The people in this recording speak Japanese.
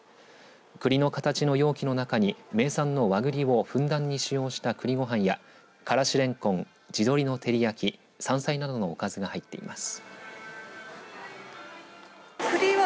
くりの形の容器の中に名産の和栗をふんだんに使用した栗ごはんや、からしれんこん地鶏の照り焼き、山菜などのおかずが入っています。